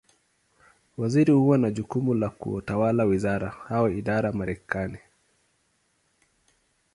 Waziri huwa na jukumu la kutawala wizara, au idara Marekani.